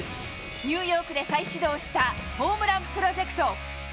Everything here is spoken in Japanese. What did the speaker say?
ニューヨークで再始動したホームランプロジェクト。